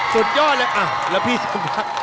สุดยอดเลยอ่ะแล้วพี่คุณทัก